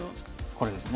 これですね。